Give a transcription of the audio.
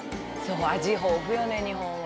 「味豊富よね日本は」